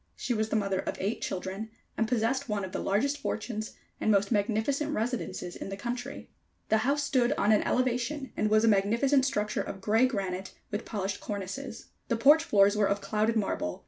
She was the mother of eight children, and possessed one of the largest fortunes and most magnificent residences in the country. The house stood on an elevation, and was a magnificent structure of grey granite, with polished cornices. The porch floors were of clouded marble.